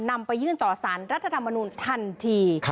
นำไปยื่นต่อสารรัฐธรรมนุนทันที